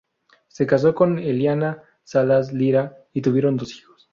Se casó con Eliana Salas Lira y tuvieron dos hijos.